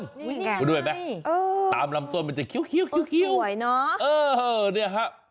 ดูด้วยไหมตามลำต้นมันจะคิวสวยเนาะ